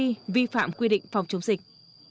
hành vi vi phạm quy định phòng chống dịch